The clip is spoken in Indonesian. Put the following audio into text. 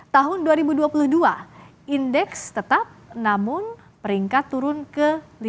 tahun dua ribu dua puluh dua indeks tetap namun peringkat turun ke lima puluh